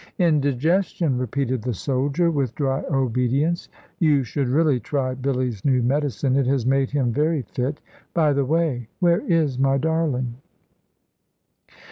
"Indigestion," repeated the soldier, with dry obedience. "You should really try Billy's new medicine; it has made him very fit. By the way, where is my darling?"